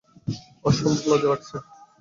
অসম্ভব লজ্জা লাগছে।